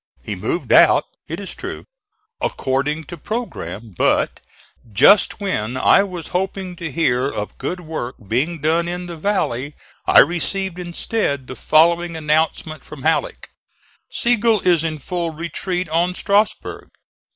He moved out, it is true, according to programme; but just when I was hoping to hear of good work being done in the valley I received instead the following announcement from Halleck: "Sigel is in full retreat on Strasburg.